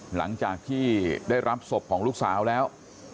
หลังจากที่ได้รับศพของลูกสาวแล้ว